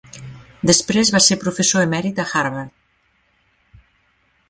Després va ser professor emèrit a Harvard.